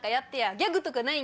ギャグとかないん？